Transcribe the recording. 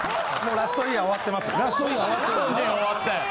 ラストイヤー終わってるよね。